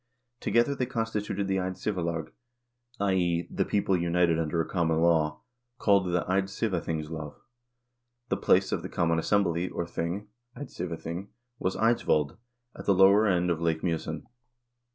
Together they constituted the Eid sivalag, i.e. the people united under a common law called the "Eidsivathingslov."2 The place of the common assembly, or thing (Eidsivathing) was Eidsvold, at the lower end of Lake Mj0sen.